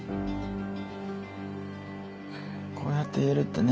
こうやって言えるってね